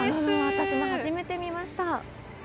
私も初めて見ました。